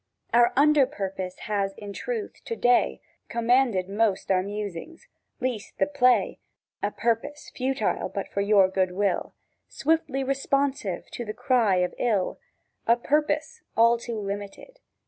Our under purpose has, in truth, to day Commanded most our musings; least the play: A purpose futile but for your good will Swiftly responsive to the cry of ill: A purpose all too limited!